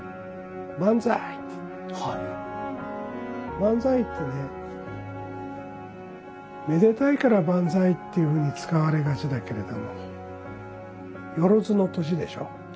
万歳ってねめでたいから万歳っていうふうに使われがちだけれども万の歳でしょう？